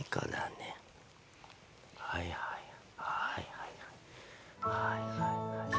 はいはいはいはい。